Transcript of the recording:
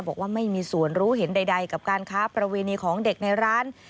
บอกว่าไม่มีส่วนรู้เห็นใดกับการค้าประเวณีของเด็กในร้าน